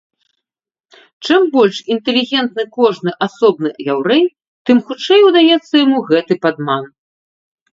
Чым больш інтэлігентны кожны асобны яўрэй, тым хутчэй удаецца яму гэты падман.